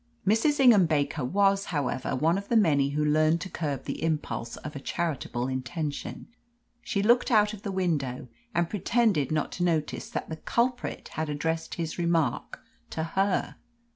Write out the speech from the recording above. Mrs. Ingham Baker was, however, one of the many who learn to curb the impulse of a charitable intention. She looked out of the window, and pretended not to notice that the culprit had addressed his remark to her.